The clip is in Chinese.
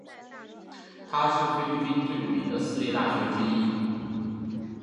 它是菲律宾最有名的私立大学之一。